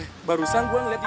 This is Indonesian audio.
eh barusan gue liat di